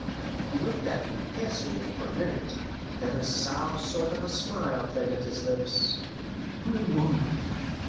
He looked at me piercingly for a minute, then a sour sort of smile played at his lips. "A woman!"